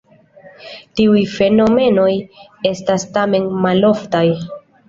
Tiuj fenomenoj estas tamen maloftaj.